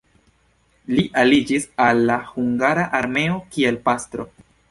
Li aliĝis al la hungara armeo kiel pastro.